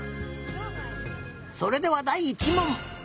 それではだい１もん！